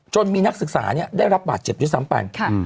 จนมีนักศึกษาได้รับบาตเจ็บอยู่ซ้ำป่าน